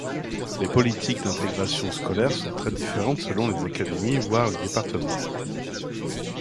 Les politiques d'intégration scolaire sont très différentes selon les académies voire les départements.